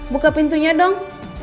buka pintunya dong